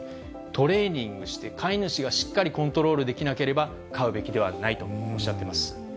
トレーニングして飼い主がしっかりコントロールできなければ、飼うべきではないとおっしゃっています。